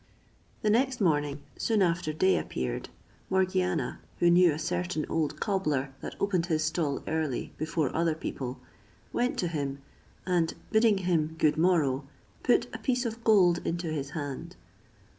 The next morning, soon after day appeared, Morgiana, who knew a certain old cobbler that opened his stall early, before other people, went to him, and bidding him good morrow, put a piece of gold into his hand.